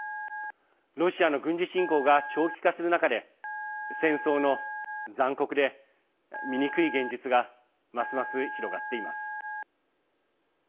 ロシアの軍事侵攻が長期化する中で戦争の残酷で醜い現実がますます広がっています。